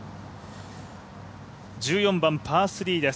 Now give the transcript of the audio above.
１４番、パー３です